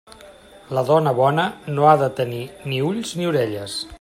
La dona bona no ha de tenir ni ulls ni orelles.